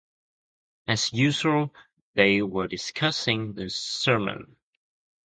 As usual, they were discussing the sermon.